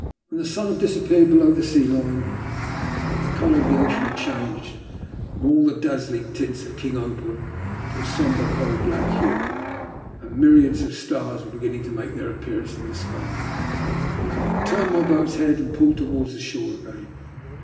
When the sun had disappeared below the sea line, the colour of the ocean had changed from all the dazzling tints of the king opal to a sombre coal black hue, and myriads of stars were beginning to make their appearance in the sky, I turned my boat's head, and pulled towards the shore again.